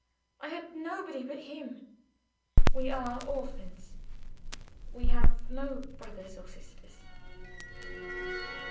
I had nobody but him. We are orphans; we have no brothers or sisters.